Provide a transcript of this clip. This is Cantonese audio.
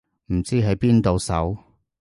唔知喺邊度搜